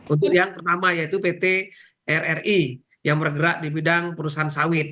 untuk yang pertama yaitu pt rri yang bergerak di bidang perusahaan sawit